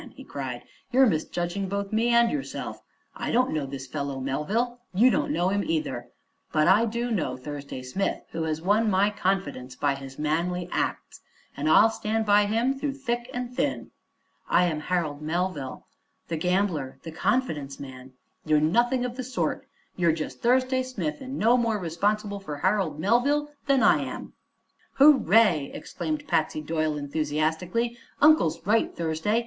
he cried, "you're misjudging both me and yourself, I don't know this fellow Melville. You don't know him, either. But I do know Thursday Smith, who has won my confidence and by his manly acts, and I'll stand by him through thick and thin!" "I am Harold Melville the gambler the confidence man." "You're nothing of the sort, you're just Thursday Smith, and no more responsible for Harold Melville than I am." "Hooray!" exclaimed Patsy Doyle enthusiastically. "Uncle's right, Thursday.